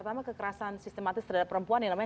karena kekerasan sistematis terhadap perempuan